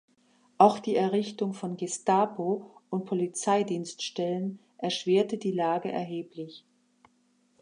Auch die Errichtung von Gestapo- und Polizeidienststellen erschwerte die Lage erheblich.